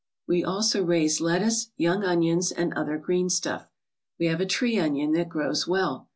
We also raise lettuce, young onions, and other green stuff. We have a tree onion that grows well.